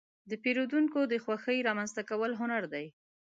د پیرودونکو د خوښې رامنځته کول هنر دی.